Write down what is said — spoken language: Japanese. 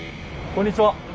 こんにちは。